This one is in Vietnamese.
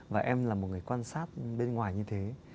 và em là một người quan sát bên ngoài như thế